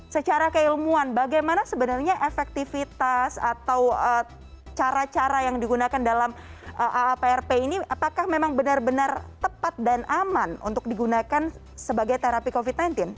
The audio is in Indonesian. secara keilmuan bagaimana sebenarnya efektivitas atau cara cara yang digunakan dalam aaprp ini apakah memang benar benar tepat dan aman untuk digunakan sebagai terapi covid sembilan belas